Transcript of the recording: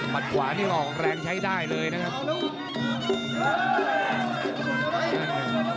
ขวานี่ออกแรงใช้ได้เลยนะครับ